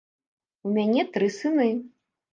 У мяне тры сыны.